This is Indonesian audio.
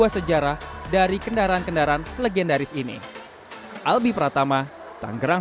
atau anda merupakan bagian dari penikmat perjalanan motor ini